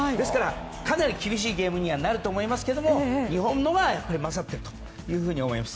かなり厳しいゲームにはなると思いますが日本のほうが勝っていると思います。